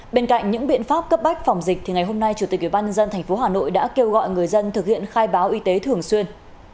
bên cạnh những biện pháp cấp bách phòng dịch thì ngày hôm nay chủ tịch ubnd tp hà nội đã kêu gọi người dân thực hiện khai báo y tế thường xuyên